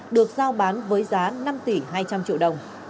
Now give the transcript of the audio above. được giao bán với giá năm tỷ hai trăm linh triệu đồng